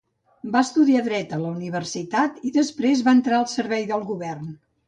Va estudiar dret a la universitat, i després va entrar al servei del govern.